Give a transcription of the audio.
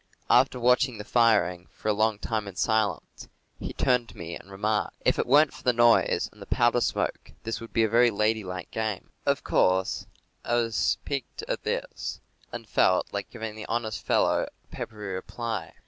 After watching the firing for a long time in silence, he turned to me and remarked: "If it weren't for the noise and the powder smoke, this would be a very ladylike game." Of course, I was piqued at this, and felt like giving the honest fellow a peppery reply.